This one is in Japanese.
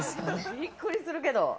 びっくりするけど。